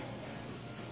え？